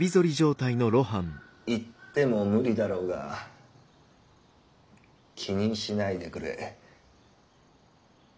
言っても無理だろうが気にしないでくれ。